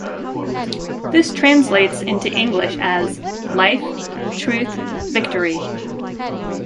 This translates into English as, "Life, Truth, Victory".